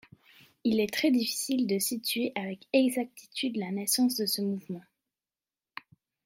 Il est très difficile de situer avec exactitude la naissance de ce mouvement.